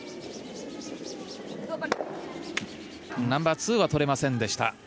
ナンバーツーはとれませんでした。